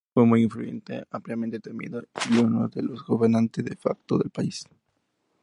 Fue muy influyente, ampliamente temido, y uno de los gobernantes "de facto" del país.